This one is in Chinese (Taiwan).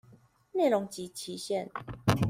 內容及期限